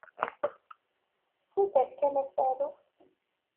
Ssuter kan asaruf.